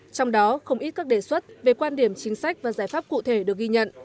trong đó không ít các đề xuất về quan điểm chính sách và giải pháp cụ thể được ghi nhận